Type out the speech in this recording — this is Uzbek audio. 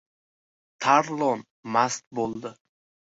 Tarlon mast bo‘ldi!